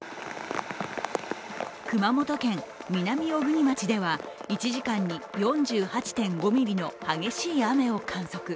熊本県南小国町では１時間に４８．５ミリの激しい雨を観測。